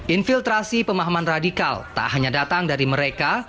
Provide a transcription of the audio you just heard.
infiltrasi pemahaman radikal tak hanya datang dari mereka